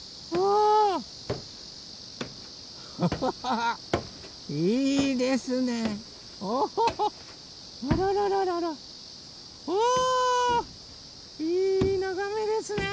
あいいながめですね。